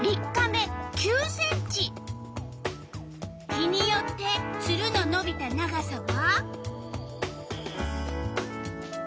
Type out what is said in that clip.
日によってツルののびた長さは？